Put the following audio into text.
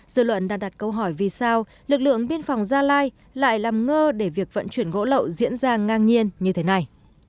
dự luận đang đặt câu hỏi vì sao lực lượng biên phòng gia lai lại làm ngơ để việc vận chuyển gỗ lậu diễn ra ngang nhiên như thế này